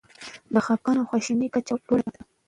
د خپګان او خواشینۍ کچه لوړه ده.